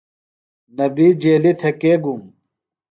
نبی جیلیۡ تھےۡ کے گُوم ؟